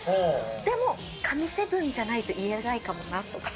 でも、神７じゃないと言えないかもなとか。